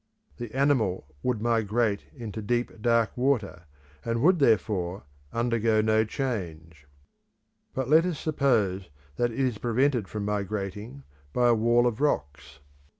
The animal would migrate into deep dark water, and would therefore undergo no change. But let us suppose that it is prevented from migrating by a wall of rocks.